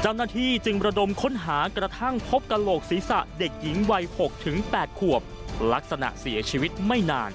เจ้าหน้าที่จึงประดมค้นหากระทั่งพบกระโหลกศีรษะเด็กหญิงวัย๖๘ขวบลักษณะเสียชีวิตไม่นาน